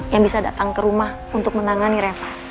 yang bisa datang ke rumah untuk menangani reva